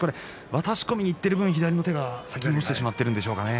渡し込みにいっている分左手が先に落ちてしまっているんでしょうかね。